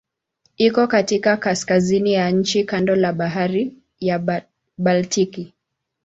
Iko katika kaskazini ya nchi kando la Bahari ya Baltiki.